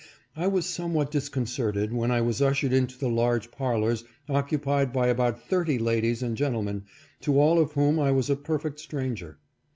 I was somewhat disconcerted when I was ushered into the large parlors occupied by about thirty ladies and gentlemen, to all of whom I was a perfect stranger.